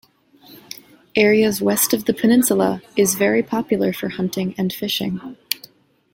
Areas west of the peninsula is very popular for hunting and fishing.